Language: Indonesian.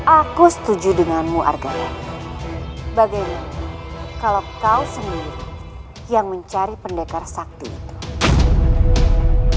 aku setuju denganmu arkaya bagaimana kalau kau sendiri yang mencari pendekar sakti